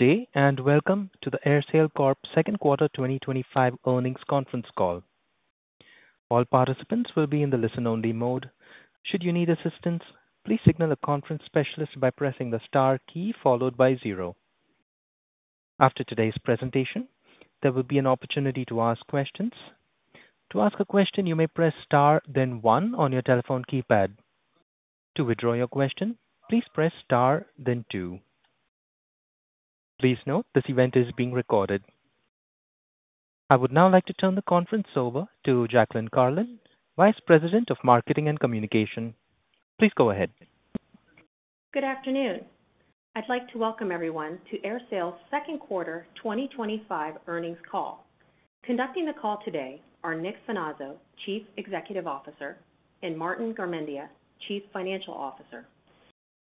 Thank you, and welcome to the AerSale Corp. Second Quarter 2025 Earnings Conference Call. All participants will be in the listen-only mode. Should you need assistance, please signal a conference specialist by pressing the star key followed by zero. After today's presentation, there will be an opportunity to ask questions. To ask a question, you may press star, then one on your telephone keypad. To withdraw your question, please press star, then two. Please note this event is being recorded. I would now like to turn the conference over to Jacqueline Carlon, Vice President of Marketing and Communication. Please go ahead. Good afternoon. I'd like to welcome everyone to AerSale's Second Quarter 2025 Earnings Call. Conducting the call today are Nicolas Finazzo, Chief Executive Officer, and Martin Garmendia, Chief Financial Officer.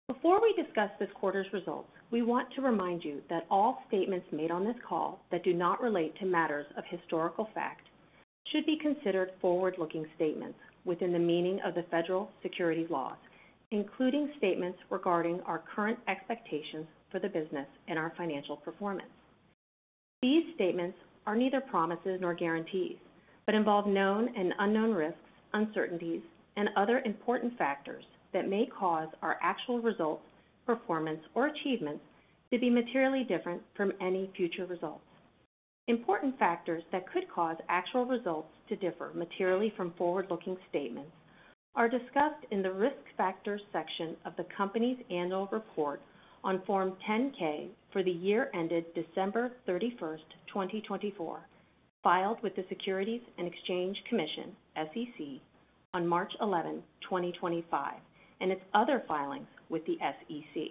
Before we discuss this quarter's results, we want to remind you that all statements made on this call that do not relate to matters of historical fact should be considered forward-looking statements within the meaning of the Federal Securities Laws, including statements regarding our current expectations for the business and our financial performance. These statements are neither promises nor guarantees, but involve known and unknown risks, uncertainties, and other important factors that may cause our actual results, performance, or achievements to be materially different from any future results. Important factors that could cause actual results to differ materially from forward-looking statements are discussed in the Risk Factors section of the company's annual report on Form 10-K for the year ended December 31st, 2024, filed with the Securities and Exchange Commission, SEC, on March 11th, 2025, and its other filings with the SEC.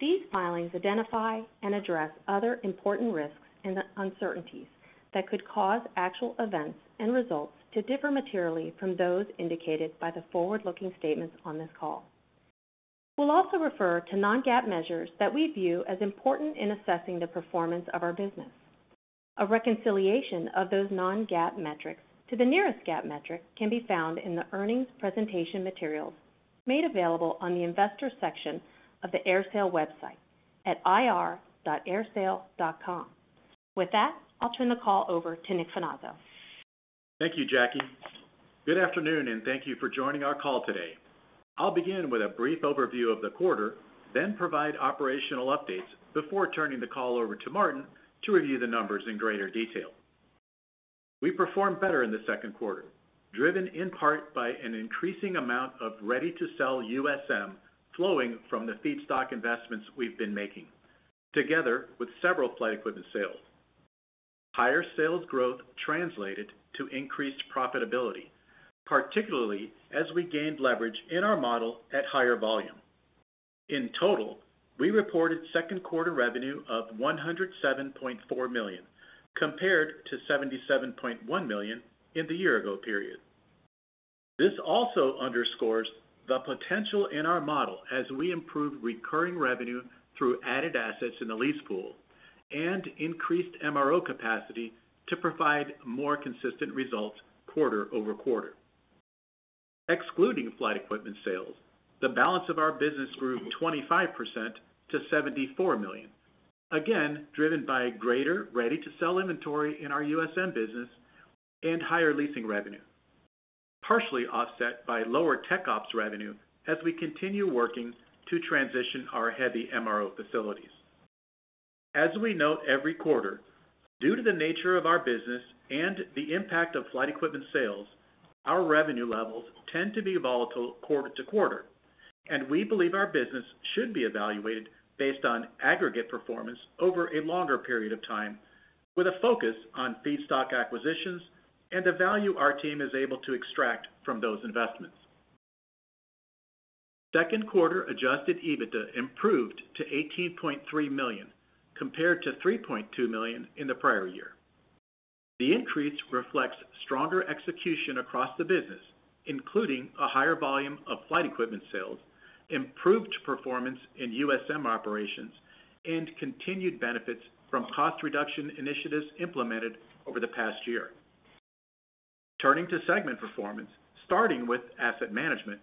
These filings identify and address other important risks and uncertainties that could cause actual events and results to differ materially from those indicated by the forward-looking statements on this call. We'll also refer to non-GAAP measures that we view as important in assessing the performance of our business. A reconciliation of those non-GAAP metrics to the nearest GAAP metric can be found in the earnings presentation materials made available on the Investors section of the AerSale website at ir.aersale.com. With that, I'll turn the call over to Nicolas Finazzo. Thank you, Jackie. Good afternoon and thank you for joining our call today. I'll begin with a brief overview of the quarter, then provide operational updates before turning the call over to Martin to review the numbers in greater detail. We performed better in the second quarter, driven in part by an increasing amount of ready-to-sell USM flowing from the feedstock investments we've been making, together with several flight equipment sales. Higher sales growth translated to increased profitability, particularly as we gained leverage in our model at higher volume. In total, we reported second quarter revenue of $107.4 million, compared to $77.1 million in the year-ago period. This also underscores the potential in our model as we improve recurring revenue through added assets in the lease pool and increased MRO capacity to provide more consistent results quarter-over-quarter. Excluding flight equipment sales, the balance of our business grew 25% to $74 million, again driven by greater ready-to-sell inventory in our USM business and higher leasing revenue, partially offset by lower Tech Ops revenue as we continue working to transition our heavy MRO facilities. As we note every quarter, due to the nature of our business and the impact of flight equipment sales, our revenue levels tend to be volatile quarter-to-quarter, and we believe our business should be evaluated based on aggregate performance over a longer period of time, with a focus on feedstock acquisitions and the value our team is able to extract from those investments. Second quarter Adjusted EBITDA improved to $18.3 million, compared to $3.2 million in the prior year. The increase reflects stronger execution across the business, including a higher volume of flight equipment sales, improved performance in USM operations, and continued benefits from cost reduction initiatives implemented for the past year. Turning to segment performance, starting with Asset Management.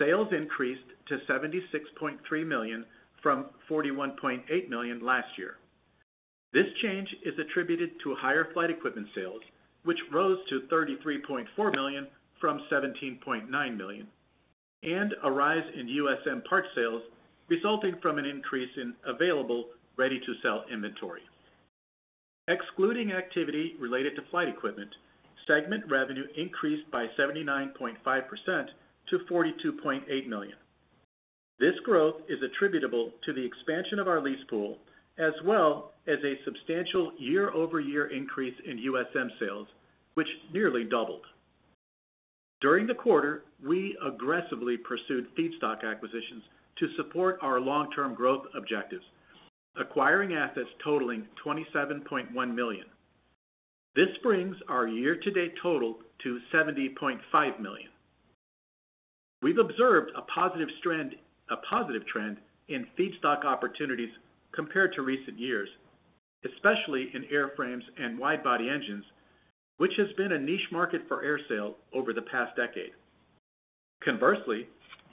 sales increased to $76.3 million from $41.8 million last year. This change is attributed to higher flight equipment sales, which rose to $33.4 million from $17.9 million, and a rise in USM part sales resulting from an increase in available ready-to-sell inventory. Excluding activity related to flight equipment, segment revenue increased by 79.5% to $42.8 million. This growth is attributable to the expansion of our lease pool, as well as a substantial year-over-year increase in USM sales, which nearly doubled. During the quarter, we aggressively pursued feedstock acquisitions to support our long-term growth objectives, acquiring assets totaling $27.1 million. This brings our year-to-date total to $70.5 million. We've observed a positive trend in feedstock opportunities compared to recent years, especially in airframes and wide-body engines, which has been a niche market for AerSale over the past decade. Conversely,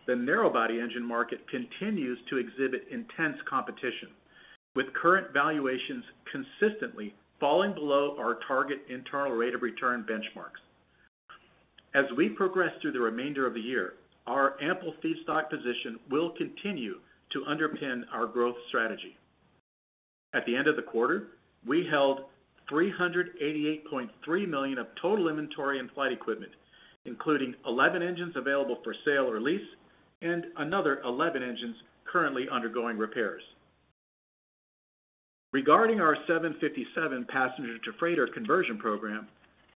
the narrow-body engine market continues to exhibit intense competition, with current valuations consistently falling below our target internal rate of return benchmarks. As we progress through the remainder of the year, our ample feedstock position will continue to underpin our growth strategy. At the end of the quarter, we held $388.3 million of total inventory in flight equipment, including 11 engines available for sale or lease and another 11 engines currently undergoing repairs. Regarding our 757 passenger to freighter conversion program,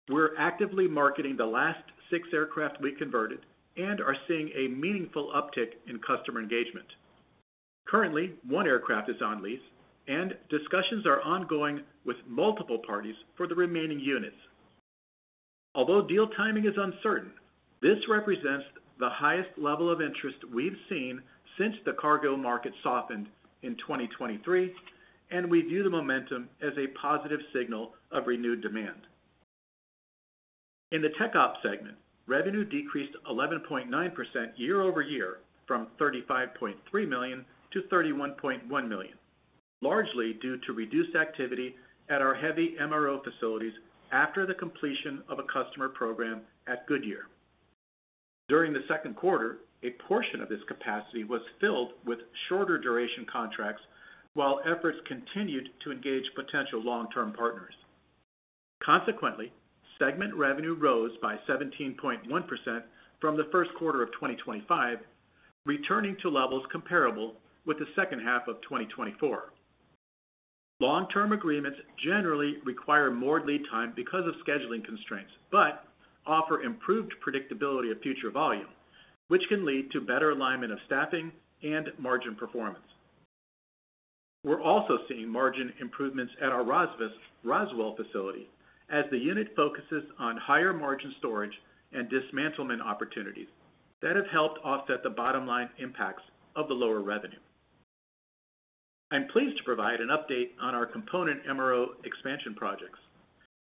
we're actively marketing the last six aircraft we converted and are seeing a meaningful uptick in customer engagement. Currently, one aircraft is on lease, and discussions are ongoing with multiple parties for the remaining units. Although deal timing is uncertain, this represents the highest level of interest we've seen since the cargo market softened in 2023, and we view the momentum as a positive signal of renewed demand. In the Tech Ops segment, revenue decreased 11.9% year-over-year from $35.3 million to $31.1 million, largely due to reduced activity at our heavy MRO facilities after the completion of a customer program at Goodyear. During the second quarter, a portion of this capacity was filled with shorter duration contracts, while efforts continued to engage potential long-term partners. Consequently, segment revenue rose by 17.1% from the first quarter of 2025, returning to levels comparable with the second half of 2024. Long-term agreements generally require more lead time because of scheduling constraints, but offer improved predictability of future volume, which can lead to better alignment of staffing and margin performance. We're also seeing margin improvements at our Roswell facility, as the unit focuses on higher margin storage and dismantlement opportunities that have helped offset the bottom line impacts of the lower revenue. I'm pleased to provide an update on our component MRO expansion projects.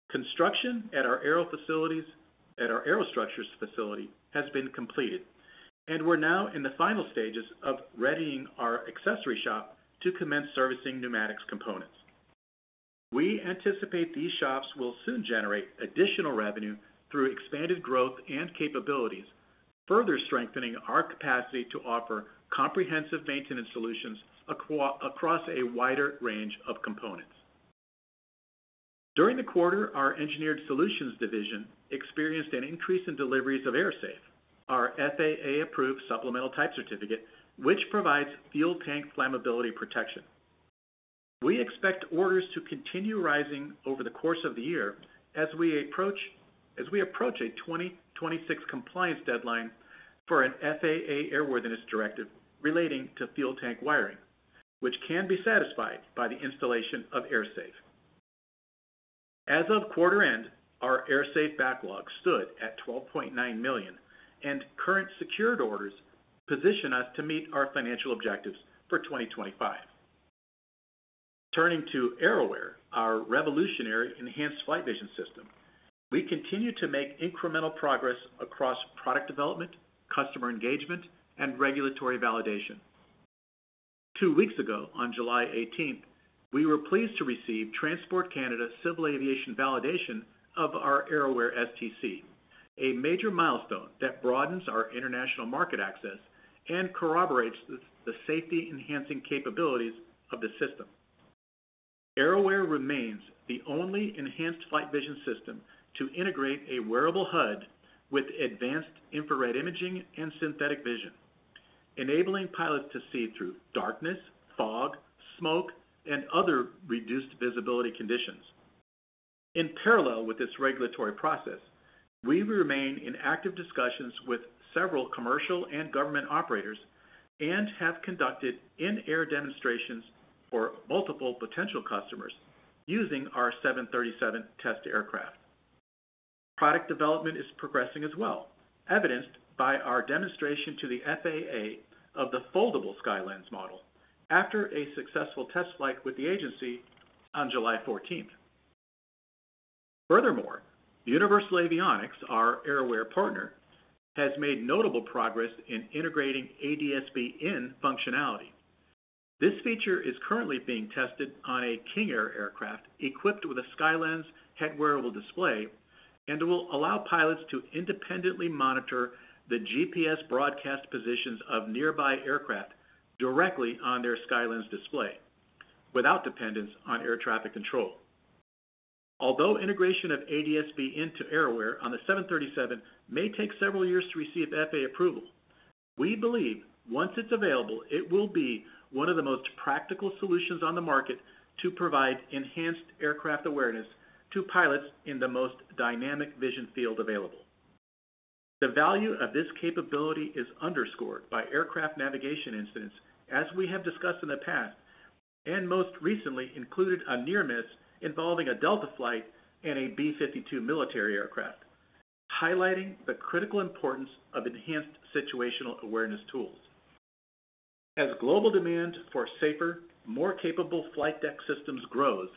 Construction at our AerSale facilities and our Aerostructures facility has been completed, and we're now in the final stages of readying our accessory shop to commence servicing Pneumatics Components. We anticipate these shops will soon generate additional revenue through expanded growth and capabilities, further strengthening our capacity to offer comprehensive maintenance solutions across a wider range of components. During the quarter, our Engineered Solutions division experienced an increase in deliveries of AerSafe, our FAA-approved Supplemental Type Certificate, which provides fuel tank flammability protection. We expect orders to continue rising over the course of the year as we approach a 2026 compliance deadline for an FAA Airworthiness Directive relating to fuel tank wiring, which can be satisfied by the installation of AerSafe. As of quarter end, our AerSafe backlog stood at $12.9 million, and current secured orders position us to meet our financial objectives for 2025. Turning to AerAware, our revolutionary enhanced flight vision system. We continue to make incremental progress across product development, customer engagement, and regulatory validation. Two weeks ago, on July 18th, we were pleased to receive Transport Canada Civil Aviation validation of our AerAware STC, a major milestone that broadens our international market access and corroborates the safety-enhancing capabilities of the system. AerAware remains the only enhanced flight vision system to integrate a wearable HUD with advanced infrared imaging and synthetic vision, enabling pilots to see through darkness, fog, smoke, and other reduced visibility conditions. In parallel with this regulatory process, we remain in active discussions with several commercial and government operators and have conducted in-air demonstrations for multiple potential customers using our 737 test aircraft. Product development is progressing as well, evidenced by our demonstration to the FAA of the foldable SkyLens model after a successful test flight with the agency on July 14th. Furthermore, Universal Avionics, our AerAware partner, has made notable progress in integrating ADS-B In functionality. This feature is currently being tested on a King Air aircraft equipped with a SkyLens head wearable display and will allow pilots to independently monitor the GPS broadcast positions of nearby aircraft directly on their SkyLens display without dependence on air traffic control. Although integration of ADS-B In to AerAware on the 737 may take several years to receive FAA approval, we believe once it's available, it will be one of the most practical solutions on the market to provide enhanced aircraft awareness to pilots in the most dynamic vision field available. The value of this capability is underscored by aircraft navigation incidents, as we have discussed in the past and most recently included a near-miss involving a Delta flight and a B-52 military aircraft, highlighting the critical importance of enhanced situational awareness tools. As global demand for safer, more capable flight deck systems grows,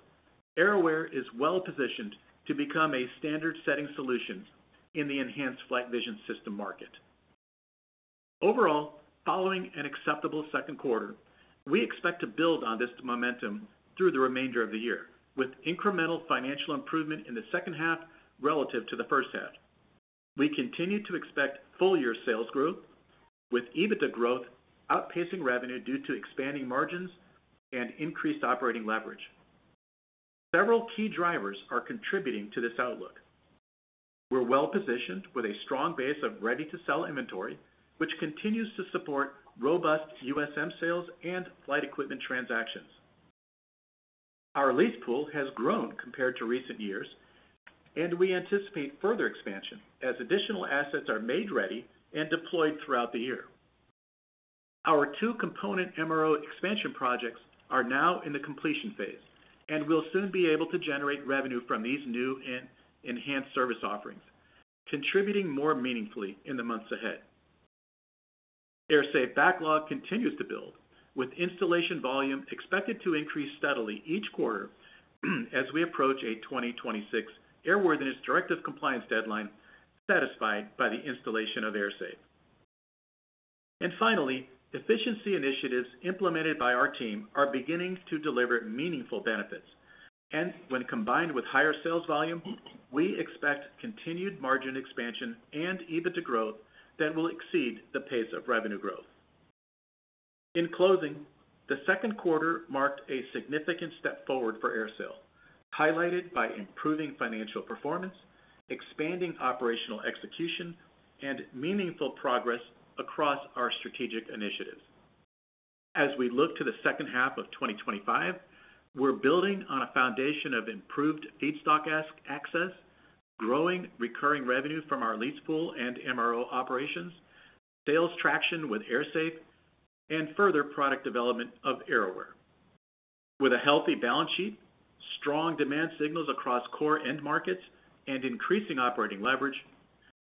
AerAware is well-positioned to become a standard-setting solution in the enhanced flight vision system market. Overall, following an acceptable second quarter, we expect to build on this momentum through the remainder of the year, with incremental financial improvement in the second half relative to the first half. We continue to expect full-year sales growth, with EBITDA growth outpacing revenue due to expanding margins and increased operating leverage. Several key drivers are contributing to this outlook. We're well-positioned with a strong base of ready-to-sell inventory, which continues to support robust USM sales and flight equipment transactions. Our lease pool has grown compared to recent years, and we anticipate further expansion as additional assets are made ready and deployed throughout the year. Our two component MRO expansion projects are now in the completion phase and will soon be able to generate revenue from these new and enhanced service offerings, contributing more meaningfully in the months ahead. AerSafe backlog continues to build, with installation volume expected to increase steadily each quarter as we approach a 2026 Airworthiness Directive compliance deadline satisfied by the installation of AerSafe. Finally, efficiency initiatives implemented by our team are beginning to deliver meaningful benefits, and when combined with higher sales volume, we expect continued margin expansion and EBITDA growth that will exceed the pace of revenue growth. In closing, the second quarter marked a significant step forward for AerSale, highlighted by improving financial performance, expanding operational execution, and meaningful progress across our strategic initiatives. As we look to the second half of 2025, we're building on a foundation of improved feedstock access, growing recurring revenue from our lease pool and MRO operations, sales traction with AerSafe, and further product development of AerAware. With a healthy balance sheet, strong demand signals across core end markets, and increasing operating leverage,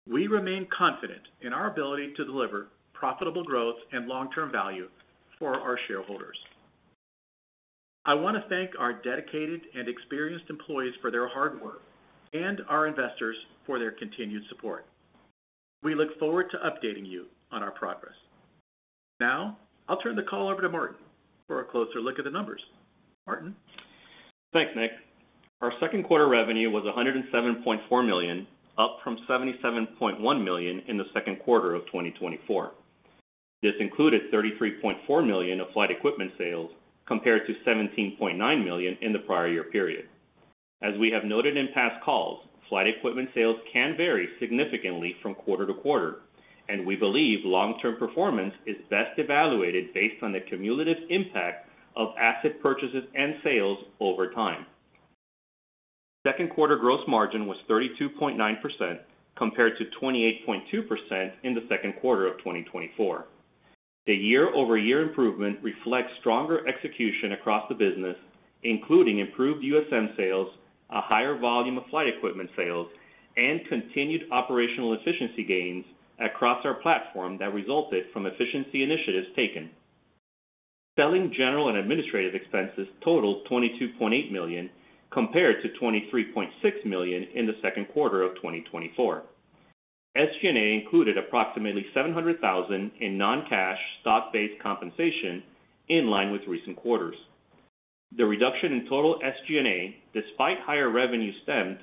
we remain confident in our ability to deliver profitable growth and long-term value for our shareholders. I want to thank our dedicated and experienced employees for their hard work and our investors for their continued support. We look forward to updating you on our progress. Now, I'll turn the call over to Martin for a closer look at the numbers. Martin. Thanks, Nick. Our second quarter revenue was $107.4 million, up from $77.1 million in the second quarter of 2024. This included $33.4 million of flight equipment sales compared to $17.9 million in the prior year period. As we have noted in past calls, flight equipment sales can vary significantly from quarter-to-quarter, and we believe long-term performance is best evaluated based on the cumulative impact of asset purchases and sales over time. Second quarter gross margin was 32.9% compared to 28.2% in the second quarter of 2024. The year-over-year improvement reflects stronger execution across the business, including improved USM sales, a higher volume of flight equipment sales, and continued operational efficiency gains across our platform that resulted from efficiency initiatives taken. Selling, general, and administrative expenses totaled $22.8 million compared to $23.6 million in the second quarter of 2024. SG&A included approximately $700,000 in non-cash stock-based compensation in line with recent quarters. The reduction in total SG&A, despite higher revenue, stemmed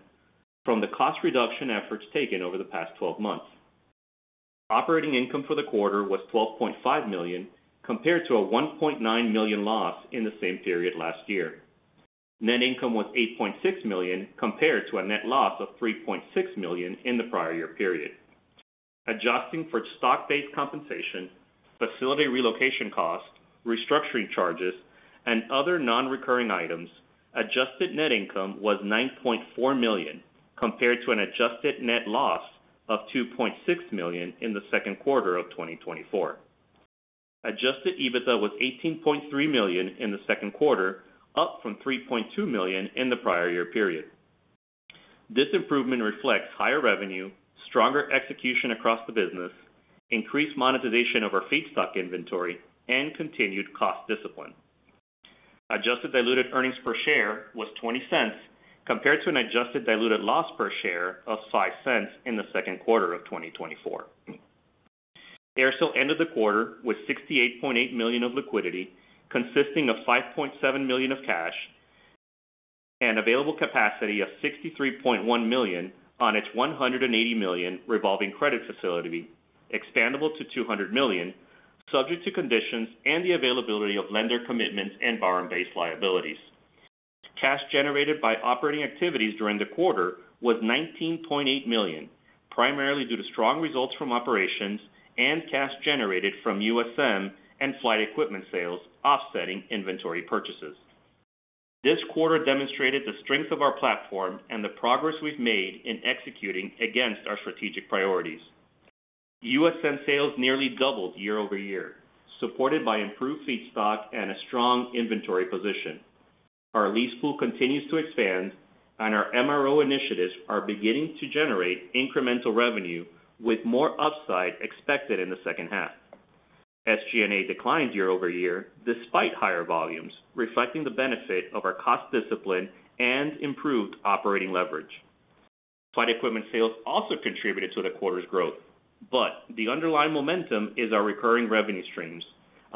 from the cost reduction efforts taken over the past 12 months. Operating income for the quarter was $12.5 million compared to a $1.9 million loss in the same period last year. Net income was $8.6 million compared to a net loss of $3.6 million in the prior year period. Adjusting for stock-based compensation, facility relocation costs, restructuring charges, and other non-recurring items, adjusted net income was $9.4 million compared to an adjusted net loss of $2.6 million in the second quarter of 2024. Adjusted EBITDA was $18.3 million in the second quarter, up from $3.2 million in the prior year period. This improvement reflects higher revenue, stronger execution across the business, increased monetization of our feedstock inventory, and continued cost discipline. Adjusted diluted earnings per share was $0.20 compared to an adjusted diluted loss per share of $0.05 in the second quarter of 2024. AerSale ended the quarter with $68.8 million of liquidity, consisting of $5.7 million of cash, and an available capacity of $63.1 million on its $180 million revolving credit facility, expandable to $200 million subject to conditions and the availability of lender commitments and borrowing-based liabilities. Cash generated by operating activities during the quarter was $19.8 million, primarily due to strong results from operations and cash generated from USM and flight equipment sales offsetting inventory purchases. This quarter demonstrated the strength of our platform and the progress we've made in executing against our strategic priorities. USM sales nearly doubled year-over-year, supported by improved feedstock and a strong inventory position. Our lease pool continues to expand, and our MRO initiatives are beginning to generate incremental revenue with more upside expected in the second half. SG&A declined year-over-year despite higher volumes, reflecting the benefit of our cost discipline and improved operating leverage. Flight equipment sales also contributed to the quarter's growth, but the underlying momentum is our recurring revenue streams,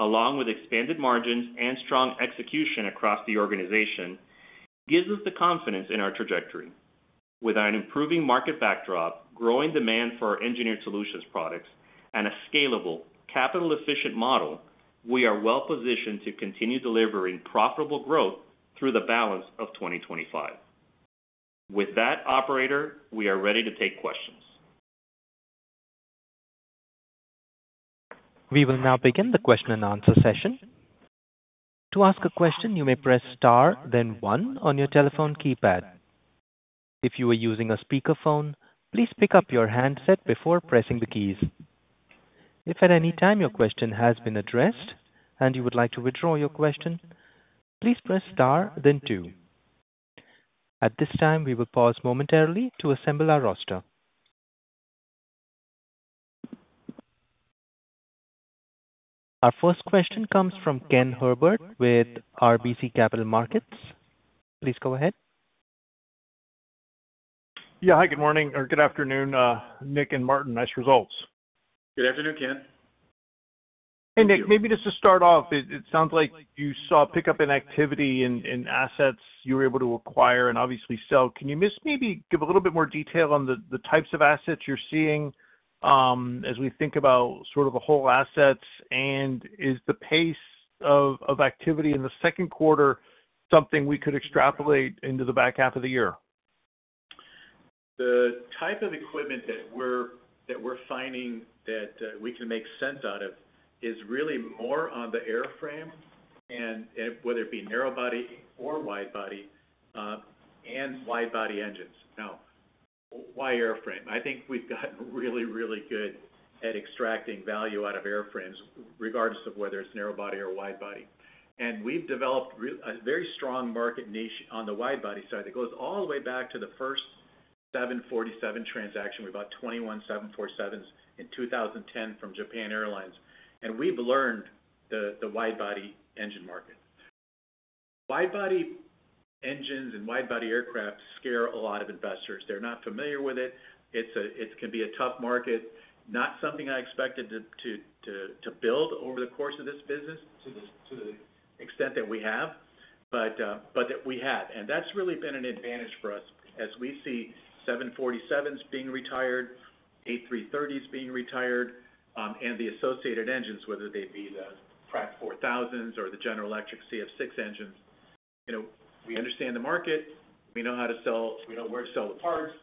along with expanded margins and strong execution across the organization, gives us the confidence in our trajectory. With an improving market backdrop, growing demand for our engineered solutions products, and a scalable, capital-efficient model, we are well-positioned to continue delivering profitable growth through the balance of 2025. With that, operator, we are ready to take questions. We will now begin the question and answer session. To ask a question, you may press star, then one on your telephone keypad. If you are using a speakerphone, please pick up your handset before pressing the keys. If at any time your question has been addressed and you would like to withdraw your question, please press star, then two. At this time, we will pause momentarily to assemble our roster. Our first question comes from Ken Herbert with RBC Capital Markets. Please go ahead. Yeah, hi, good morning or good afternoon, Nick and Martin. Nice results. Good afternoon, Ken. Hey, Nick, maybe just to start off, it sounds like you saw a pickup in activity in assets you were able to acquire and obviously sell. Can you just maybe give a little bit more detail on the types of assets you're seeing as we think about sort of the whole assets? Is the pace of activity in the second quarter something we could extrapolate into the back half of the year? The type of equipment that we're finding that we can make sense out of is really more on the airframe, and whether it be narrow body or wide body, and wide body engines. Now, why airframe? I think we've gotten really, really good at extracting value out of airframes, regardless of whether it's narrow body or wide body. We've developed a very strong market niche on the wide body side that goes all the way back to the first 747 transaction. We bought 21 747s in 2010 from Japan Airlines, and we've learned the wide body engine market. Wide body engines and wide body aircraft scare a lot of investors. They're not familiar with it. It can be a tough market, not something I expected to build over the course of this business to the extent that we have, but that we have. That's really been an advantage for us as we see 747s being retired, A330s being retired, and the associated engines, whether they be the PW4000s or the General Electric CF6 engines. We understand the market. We know how to sell. We know where to sell the parts.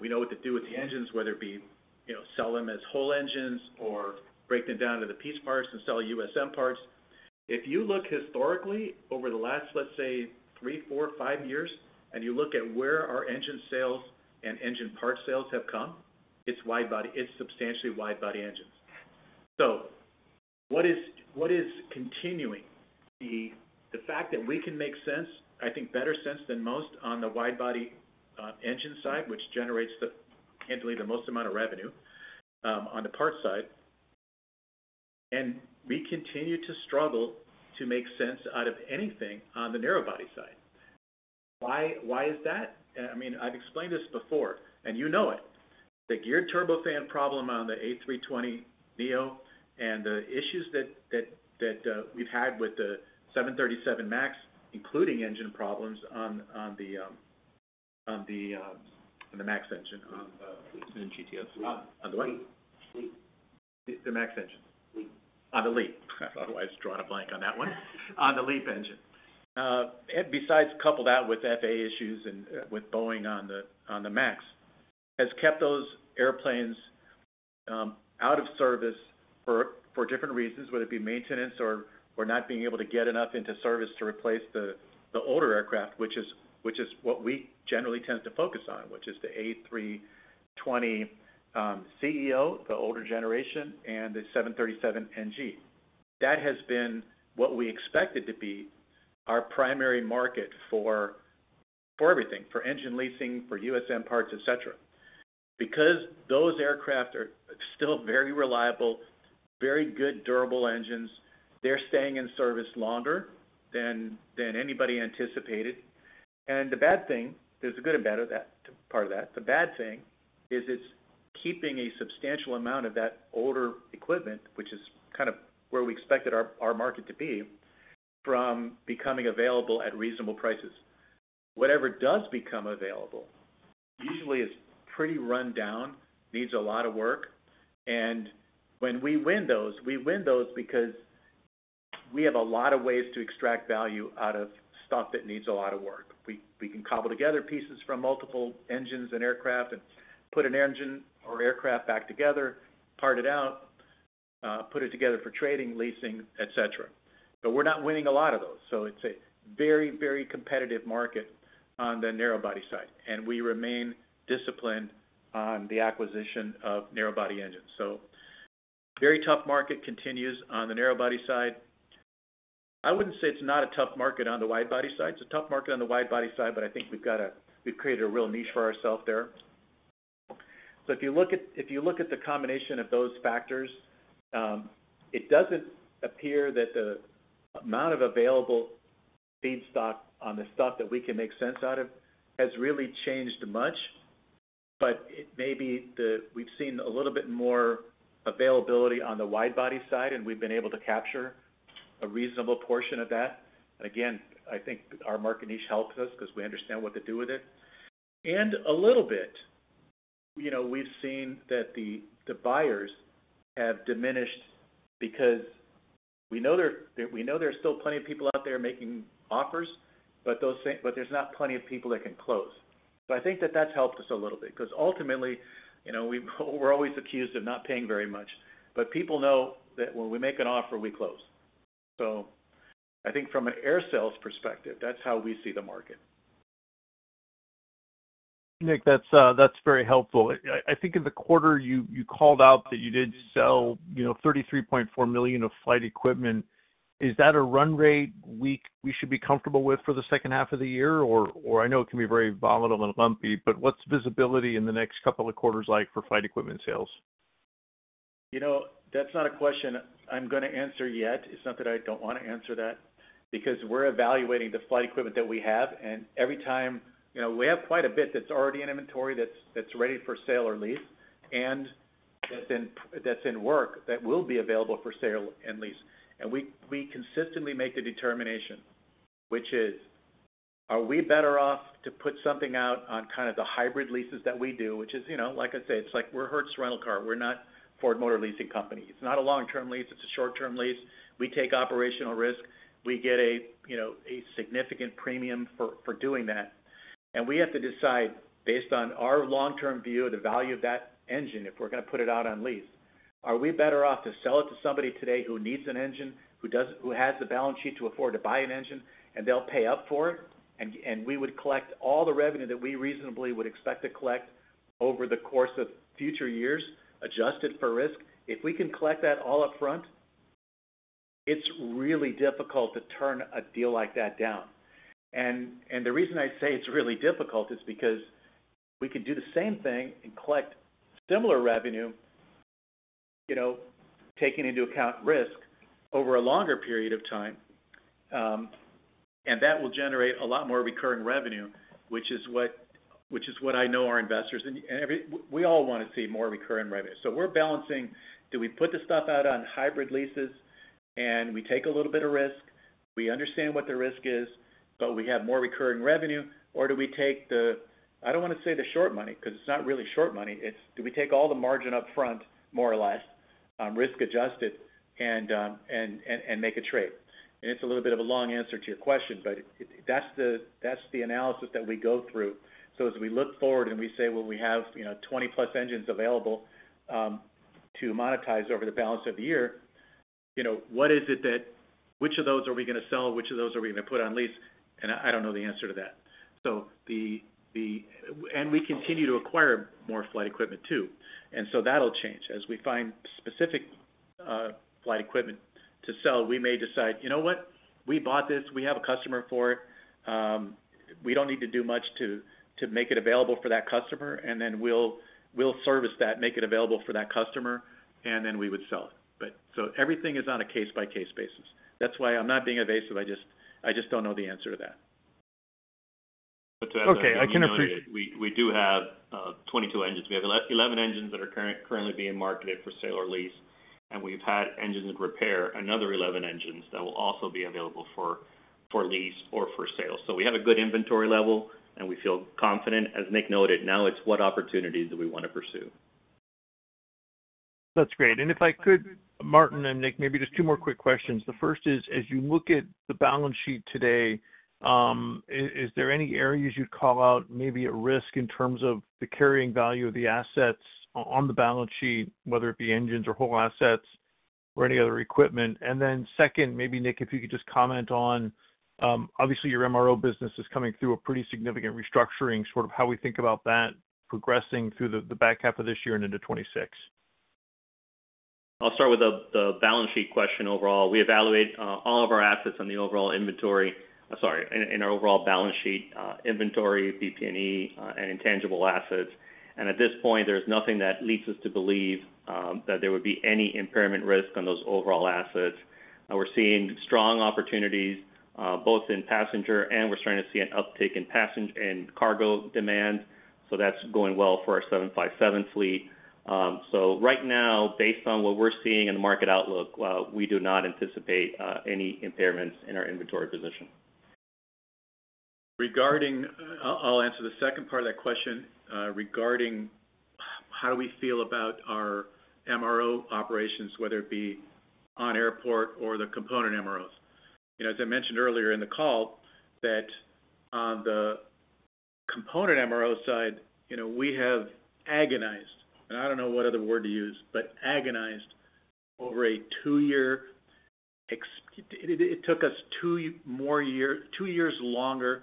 We know what to do with the engines, whether it be sell them as whole engines or break them down into the piece parts and sell USM parts. If you look historically over the last, let's say, three, four, five years, and you look at where our engine sales and engine part sales have come, it's wide body. It's substantially wide body engines. What is continuing? The fact that we can make sense, I think better sense than most on the wide body engine side, which generates potentially the most amount of revenue on the part side, and we continue to struggle to make sense out of anything on the narrow body side. Why is that? I mean, I've explained this before, and you know it. The geared turbofan problem on the A320neo and the issues that we've had with the 737 MAX, including engine problems on the MAX engine. GTF as well. On the what? The MAX engine. On the LEAP. Otherwise, drawing a blank on that one. On the LEAP engine. Besides, coupled with FAA issues and with Boeing on the MAX, that has kept those airplanes out of service for different reasons, whether it be maintenance or not being able to get enough into service to replace the older aircraft, which is what we generally tend to focus on, which is the A320ceo, the older generation, and the 737NG. That has been what we expected to be our primary market for everything, for engine leasing, for USM parts, et cetera. Because those aircraft are still very reliable, very good, durable engines, they're staying in service longer than anybody anticipated. There is a good and bad part of that. The bad thing is it's keeping a substantial amount of that older equipment, which is kind of where we expected our market to be, from becoming available at reasonable prices. Whatever does become available usually is pretty run down and needs a lot of work. When we win those, we win those because we have a lot of ways to extract value out of stuff that needs a lot of work. We can cobble together pieces from multiple engines and aircraft and put an engine or aircraft back together, part it out, put it together for trading, leasing, et cetera. We're not winning a lot of those. It is a very, very competitive market on the narrow-body side, and we remain disciplined on the acquisition of narrow-body engines. A very tough market continues on the narrow-body side. I wouldn't say it's not a tough market on the wide-body side. It is a tough market on the wide-body side, but I think we've created a real niche for ourselves there. If you look at the combination of those factors, it doesn't appear that the amount of available feedstock on the stuff that we can make sense out of has really changed much. Maybe we've seen a little bit more availability on the wide-body side, and we've been able to capture a reasonable portion of that. I think our market niche helps us because we understand what to do with it. We've seen that the buyers have diminished because we know there's still plenty of people out there making offers, but there's not plenty of people that can close. I think that has helped us a little bit because ultimately, we're always accused of not paying very much, but people know that when we make an offer, we close. From an AerSale perspective, that's how we see the market. Nick, that's very helpful. I think in the quarter you called out that you did sell $33.4 million of flight equipment. Is that a run rate we should be comfortable with for the second half of the year? I know it can be very volatile and lumpy, but what's visibility in the next couple of quarters like for flight equipment sales? You know, that's not a question I'm going to answer yet. It's not that I don't want to answer that because we're evaluating the flight equipment that we have. Every time, you know, we have quite a bit that's already in inventory that's ready for sale or lease and that's in work that will be available for sale and lease. We consistently make the determination, which is, are we better off to put something out on kind of the hybrid leases that we do, which is, you know, like I say, it's like we're Hertz's rental car. We're not Ford Motor leasing company. It's not a long-term lease. It's a short-term lease. We take operational risk. We get a, you know, a significant premium for doing that. We have to decide based on our long-term view of the value of that engine, if we're going to put it out on lease, are we better off to sell it to somebody today who needs an engine, who has a balance sheet to afford to buy an engine, and they'll pay up for it? We would collect all the revenue that we reasonably would expect to collect over the course of future years, adjusted for risk. If we can collect that all up front, it's really difficult to turn a deal like that down. The reason I say it's really difficult is because we could do the same thing and collect similar revenue, you know, taking into account risk over a longer period of time. That will generate a lot more recurring revenue, which is what I know our investors and we all want to see, more recurring revenue. We're balancing, do we put the stuff out on hybrid leases and we take a little bit of risk? We understand what the risk is, but we have more recurring revenue, or do we take the, I don't want to say the short money because it's not really short money. It's, do we take all the margin up front, more or less, risk adjusted, and make a trade? It's a little bit of a long answer to your question, but that's the analysis that we go through. As we look forward and we say, you know, we have 20+ engines available to monetize over the balance of the year, you know, what is it that, which of those are we going to sell? Which of those are we going to put on lease? I don't know the answer to that. We continue to acquire more flight equipment too, and that will change. As we find specific flight equipment to sell, we may decide, you know what, we bought this, we have a customer for it. We don't need to do much to make it available for that customer, and then we'll service that, make it available for that customer, and then we would sell it. Everything is on a case-by-case basis. That's why I'm not being evasive. I just don't know the answer to that. Okay, I can appreciate. We do have 22 engines. We have 11 engines that are currently being marketed for sale or lease, and we've had engines in repair, another 11 engines that will also be available for lease or for sale. We have a good inventory level, and we feel confident, as Nick noted, now it's what opportunities do we want to pursue. That's great. If I could, Martin and Nick, maybe just two more quick questions. The first is, as you look at the balance sheet today, is there any areas you'd call out maybe at risk in terms of the carrying value of the assets on the balance sheet, whether it be engines or whole assets or any other equipment? Second, maybe Nick, if you could just comment on, obviously your MRO business is coming through a pretty significant restructuring, sort of how we think about that progressing through the back half of this year and into 2026. I'll start with the balance sheet question overall. We evaluate all of our assets on the overall inventory, sorry, in our overall balance sheet, inventory, PP&E, and intangible assets. At this point, there's nothing that leads us to believe that there would be any impairment risk on those overall assets. We're seeing strong opportunities both in passenger, and we're starting to see an uptick in cargo demand. That's going well for our 757 fleet. Right now, based on what we're seeing in the market outlook, we do not anticipate any impairments in our inventory position. Regarding, I'll answer the second part of that question regarding how do we feel about our MRO operations, whether it be on-airport or the component MROs. As I mentioned earlier in the call, on the component MRO side, we have agonized, and I don't know what other word to use, but agonized over a two-year, it took us two more years, two years longer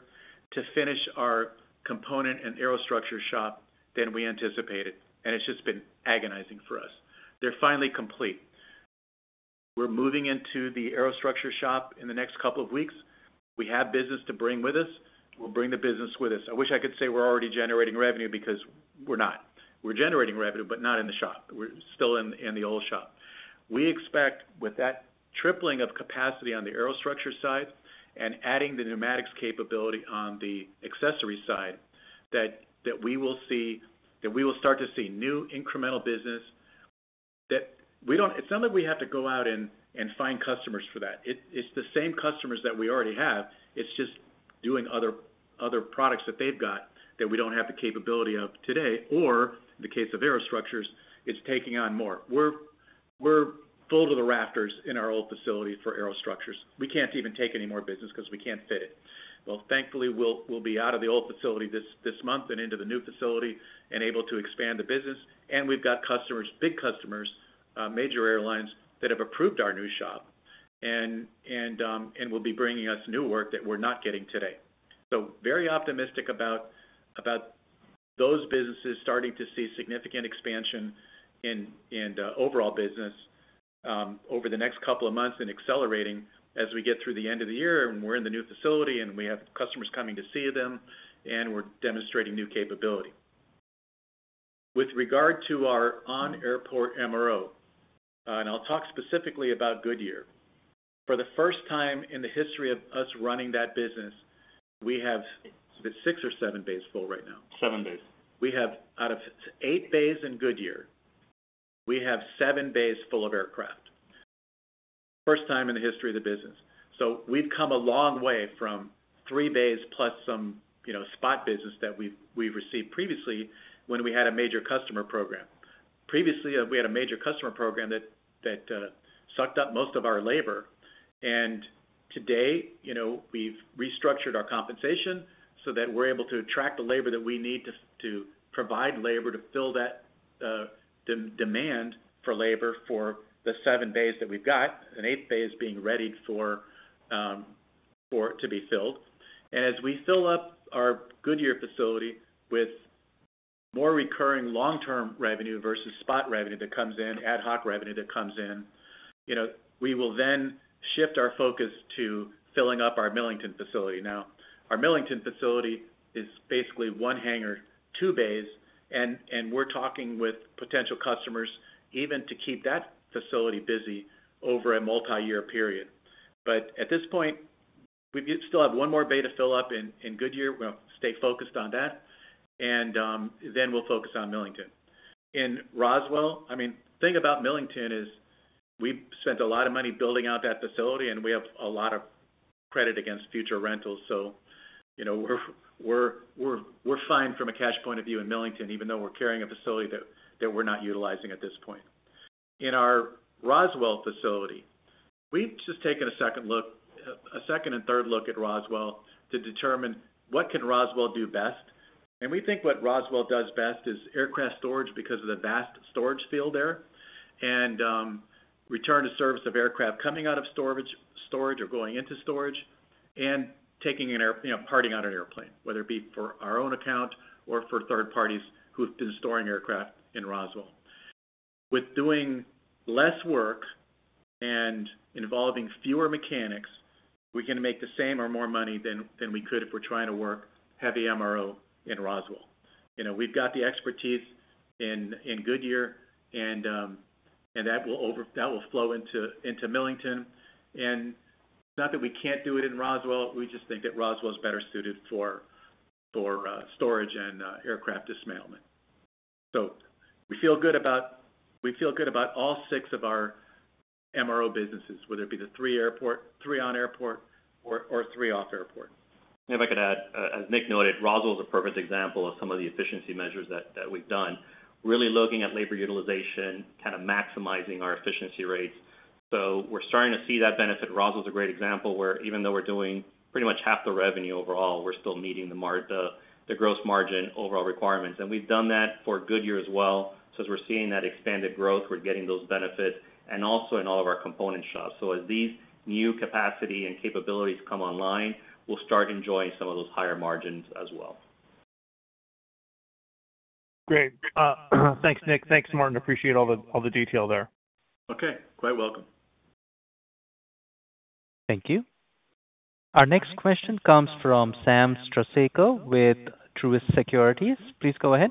to finish our component and aero structure shop than we anticipated. It's just been agonizing for us. They're finally complete. We're moving into the aero structure shop in the next couple of weeks. We have business to bring with us. We'll bring the business with us. I wish I could say we're already generating revenue because we're not. We're generating revenue, but not in the shop. We're still in the old shop. We expect with that tripling of capacity on the aero structure side and adding the pneumatics capability on the accessory side that we will start to see new incremental business. It's not like we have to go out and find customers for that. It's the same customers that we already have. It's just doing other products that they've got that we don't have the capability of today. In the case of aero structures, it's taking on more. We're full to the rafters in our old facility for aero structures. We can't even take any more business because we can't fit it. Thankfully, we'll be out of the old facility this month and into the new facility and able to expand the business. We've got customers, big customers, major airlines that have approved our new shop and will be bringing us new work that we're not getting today. Very optimistic about those businesses starting to see significant expansion in overall business over the next couple of months and accelerating as we get through the end of the year and we're in the new facility and we have customers coming to see them and we're demonstrating new capability. With regard to our on-airport MRO, and I'll talk specifically about Goodyear, for the first time in the history of us running that business, we have six or seven bays full right now. Seven bays. We have, out of eight bays in Goodyear, seven bays full of aircraft. First time in the history of the business. We have come a long way from three bays plus some spot business that we received previously when we had a major customer program. Previously, we had a major customer program that sucked up most of our labor. Today, we have restructured our compensation so that we are able to attract the labor that we need to provide labor to fill that demand for labor for the seven bays that we have and eight bays being ready for it to be filled. As we fill up our Goodyear facility with more recurring long-term revenue versus spot revenue that comes in, ad hoc revenue that comes in, we will then shift our focus to filling up our Millington facility. Our Millington facility is basically one hangar, two bays, and we are talking with potential customers even to keep that facility busy over a multi-year period. At this point, we still have one more bay to fill up in Goodyear. We will stay focused on that, and then we will focus on Millington. In Roswell, the thing about Millington is we spent a lot of money building out that facility, and we have a lot of credit against future rentals. We are fine from a cash point of view in Millington, even though we are carrying a facility that we are not utilizing at this point. In our Roswell facility, we have just taken a second look, a second and third look at Roswell to determine what Roswell can do best. We think what Roswell does best is aircraft storage because of the vast storage field there, and return to service of aircraft coming out of storage or going into storage, and taking an airplane, parting out an airplane, whether it be for our own account or for third parties who have been storing aircraft in Roswell. With doing less work and involving fewer mechanics, we can make the same or more money than we could if we are trying to work heavy MRO in Roswell. We have the expertise in Goodyear, and that will flow into Millington. Not that we cannot do it in Roswell. We just think that Roswell is better suited for storage and aircraft dismantlement. We feel good about all six of our MRO businesses, whether it be the three on airport or three off airport. If I could add, as Nick noted, Roswell is a perfect example of some of the efficiency measures that we've done, really looking at labor utilization, kind of maximizing our efficiency rates. We're starting to see that benefit. Roswell is a great example where even though we're doing pretty much half the revenue overall, we're still meeting the gross margin overall requirements. We've done that for Goodyear as well. As we're seeing that expanded growth, we're getting those benefits and also in all of our component shops. As these new capacity and capabilities come online, we'll start enjoying some of those higher margins as well. Great. Thanks, Nick. Thanks, Martin. Appreciate all the detail there. Okay, quite welcome. Thank you. Our next question comes from Sam Struhsaker with Truist Securities. Please go ahead.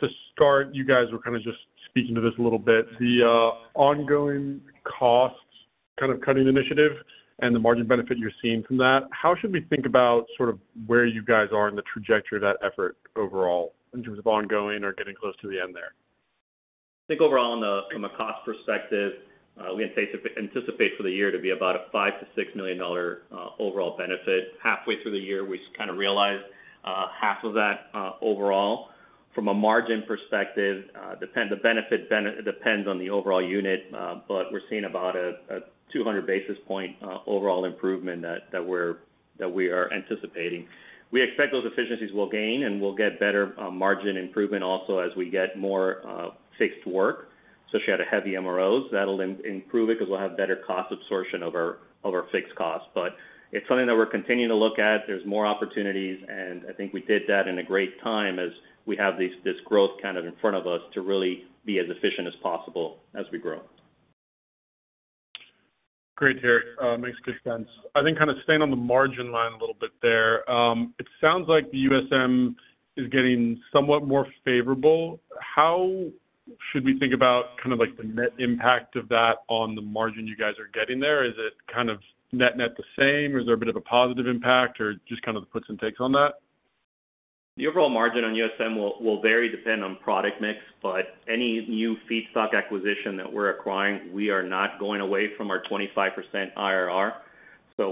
To start, you guys were just speaking to this a little bit. The ongoing costs cutting initiative and the margin benefit you're seeing from that, how should we think about where you guys are in the trajectory of that effort overall in terms of ongoing or getting close to the end there? I think overall, from a cost perspective, we anticipate for the year to be about a $5 million-$6 million overall benefit. Halfway through the year, we kind of realized half of that overall. From a margin perspective, the benefit depends on the overall unit, but we're seeing about a 200 basis point overall improvement that we are anticipating. We expect those efficiencies will gain and we'll get better margin improvement also as we get more fixed work, especially at heavy MROs. That will improve it because we'll have better cost absorption of our fixed costs. It is something that we're continuing to look at. There are more opportunities, and I think we did that at a great time as we have this growth in front of us to really be as efficient as possible as we grow. Great to hear. Thanks, makes sense. I think kind of staying on the margin line a little bit there, it sounds like the USM is getting somewhat more favorable. How should we think about kind of like the net impact of that on the margin you guys are getting there? Is it kind of net net the same? Or is there a bit of a positive impact or just kind of the puts and takes on that? The overall margin on USM will vary depending on product mix, but any new feedstock acquisition that we're acquiring, we are not going away from our 25% IRR.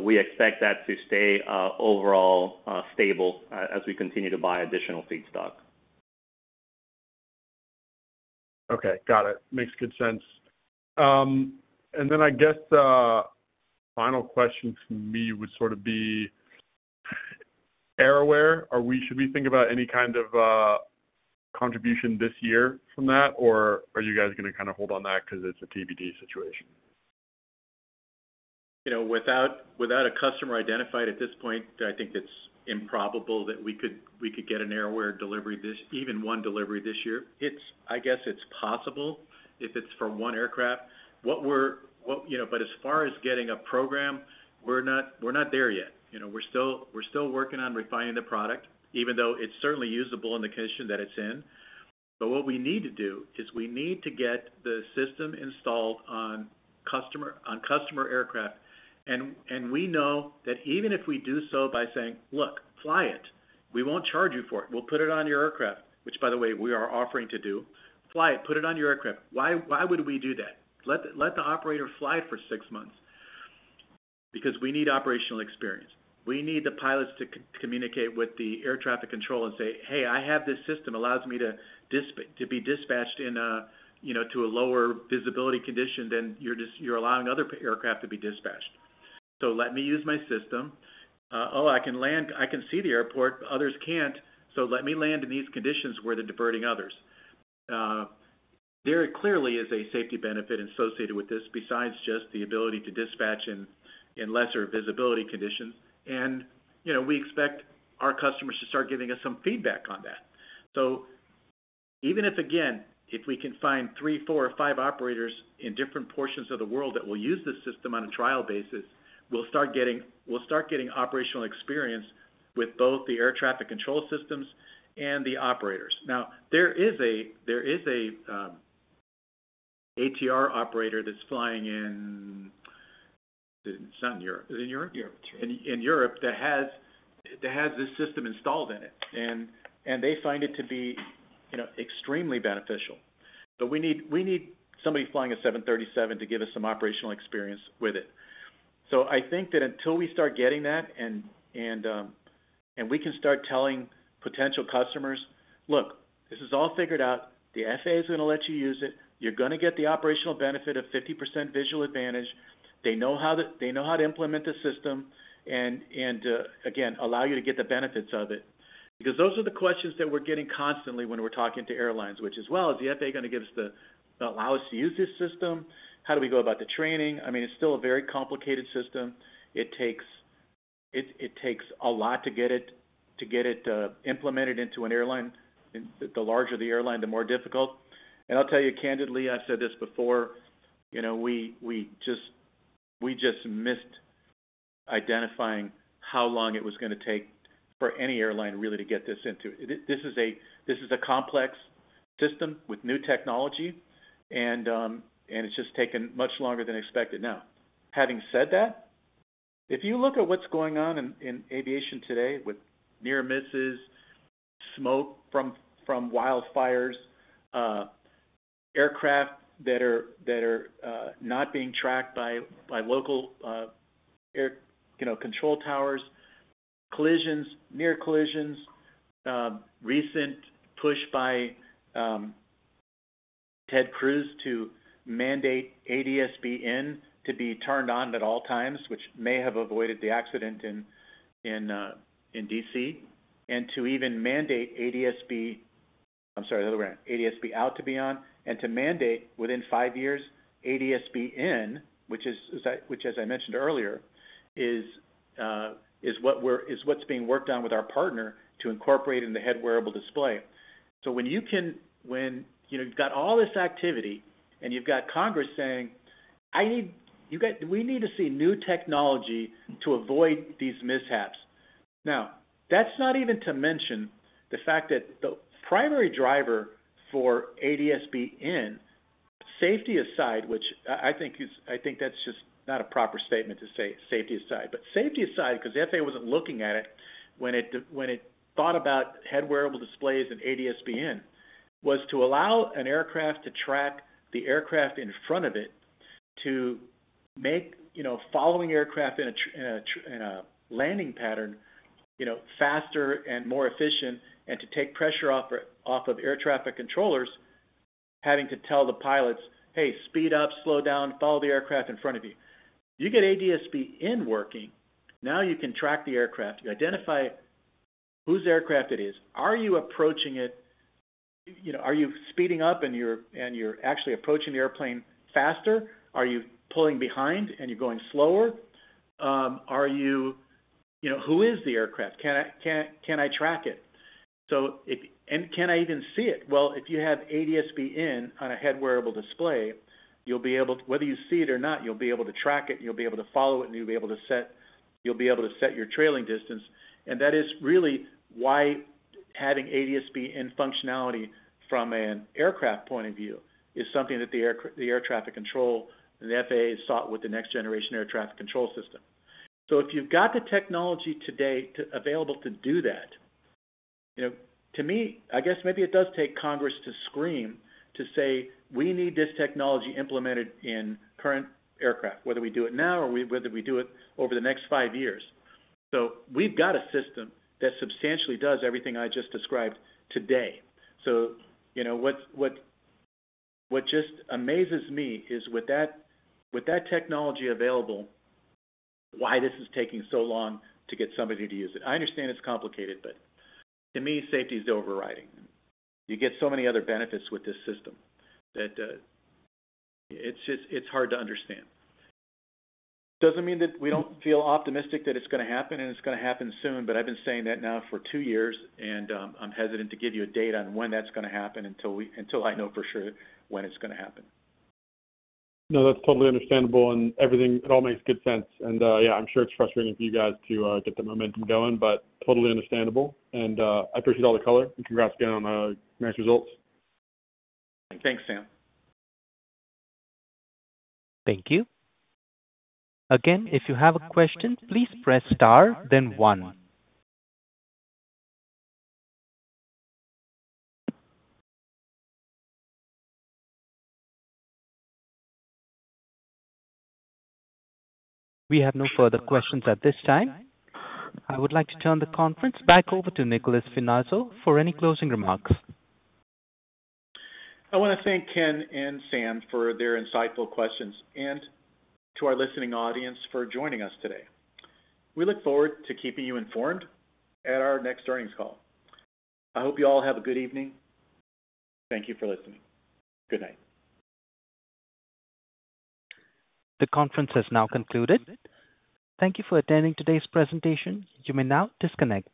We expect that to stay overall stable as we continue to buy additional feedstock. Okay, got it. Makes good sense. I guess the final question for me would sort of be AerAware, should we think about any kind of contribution this year from that, or are you guys going to kind of hold on that because it's a TBD situation? You know. Without a customer identified at this point, I think it's improbable that we could get an AerAware delivery this, even one delivery this year. I guess it's possible if it's for one aircraft. What we're, you know, as far as getting a program, we're not there yet. We're still working on refining the product, even though it's certainly usable in the condition that it's in. What we need to do is we need to get the system installed on customer aircraft. We know that even if we do so by saying, "Look, fly it. We won't charge you for it. We'll put it on your aircraft," which, by the way, we are offering to do. Fly it. Put it on your aircraft. Why would we do that? Let the operator fly for six months because we need operational experience. We need the pilots to communicate with the air traffic control and say, "Hey, I have this system. It allows me to be dispatched in, you know, to a lower visibility condition than you're allowing other aircraft to be dispatched. So let me use my system. Oh, I can land. I can see the airport. Others can't. So let me land in these conditions where they're diverting others." There clearly is a safety benefit associated with this besides just the ability to dispatch in lesser visibility conditions. We expect our customers to start giving us some feedback on that. Even if, again, we can find three, four, or five operators in different portions of the world that will use this system on a trial basis, we'll start getting operational experience with both the air traffic control systems and the operators. Now, there is an ATR operator that's flying in, is it in Europe? Europe. In Europe that has this system installed in it, they find it to be, you know, extremely beneficial. We need somebody flying a 737 to give us some operational experience with it. I think that until we start getting that and we can start telling potential customers, "Look, this is all figured out. The FAA is going to let you use it. You're going to get the operational benefit of 50% visual advantage. They know how to implement the system and, again, allow you to get the benefits of it." Those are the questions that we're getting constantly when we're talking to airlines, which is, "Is the FAA going to allow us to use this system? How do we go about the training?" It's still a very complicated system. It takes a lot to get it implemented into an airline. The larger the airline, the more difficult. I'll tell you candidly, I've said this before, we just missed identifying how long it was going to take for any airline really to get this into it. This is a complex system with new technology, and it's just taken much longer than expected. Now, having said that, if you look at what's going on in aviation today with near misses, smoke from wildfires, aircraft that are not being tracked by local air control towers, collisions, near collisions, recent push by Ted Cruz to mandate ADS-B In to be turned on at all times, which may have avoided the accident in D.C., and to even mandate ADS-B, I'm sorry, the other way around, ADS-B Out to be on, and to mandate within five years ADS-B In, which, as I mentioned earlier, is what's being worked on with our partner to incorporate in the head wearable display. When you've got all this activity and you've got Congress saying, "We need to see new technology to avoid these mishaps." That's not even to mention the fact that the primary driver for ADS-B In, safety aside, which I think is, I think that's just not a proper statement to say safety aside, but safety aside, because the FAA wasn't looking at it when it thought about head wearable displays and ADS-B In, was to allow an aircraft to track the aircraft in front of it, to make following aircraft in a landing pattern faster and more efficient, and to take pressure off of air traffic controllers, having to tell the pilots, "Hey, speed up, slow down, follow the aircraft in front of you." You get ADS-B In working. Now you can track the aircraft. You identify whose aircraft it is. Are you approaching it? Are you speeding up and you're actually approaching the airplane faster? Are you pulling behind and you're going slower? Who is the aircraft? Can I track it? Can I even see it? If you have ADS-B In on a head wearable display, you'll be able to, whether you see it or not, you'll be able to track it and you'll be able to follow it and you'll be able to set your trailing distance. That is really why having ADS-B In functionality from an aircraft point of view is something that the air traffic control and the FAA sought with the next generation air traffic control system. If you've got the technology today available to do that, to me, I guess maybe it does take Congress to scream to say, "We need this technology implemented in current aircraft, whether we do it now or whether we do it over the next five years." We've got a system that substantially does everything I just described today. What just amazes me is with that technology available, why this is taking so long to get somebody to use it. I understand it's complicated, but to me, safety is the overriding. You get so many other benefits with this system that it's hard to understand. Doesn't mean that we don't feel optimistic that it's going to happen and it's going to happen soon, but I've been saying that now for two years and I'm hesitant to give you a date on when that's going to happen until I know for sure when it's going to happen. No, that's totally understandable and it all makes good sense. I'm sure it's frustrating for you guys to get the momentum going, but totally understandable. I appreciate all the color and congrats again on the nice results. Thanks, Sam. Thank you. Again, if you have a question, please press star, then one. We have no further questions at this time. I would like to turn the conference back over to Nicolas Finazzo for any closing remarks. I want to thank Ken and Sam for their insightful questions and to our listening audience for joining us today. We look forward to keeping you informed at our next earnings call. I hope you all have a good evening. Thank you for listening. Good night. The conference has now concluded. Thank you for attending today's presentation. You may now disconnect.